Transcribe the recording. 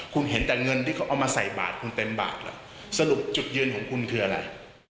คุณเห็นแต่เงินที่เขาเอามาใส่บาทคุณเต็มบาทล่ะสรุปจุดยืนของคุณคืออะไร